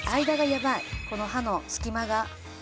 この歯の隙間が。